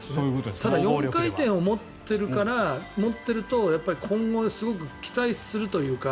ただ、４回転を持っていると今後すごく期待するというか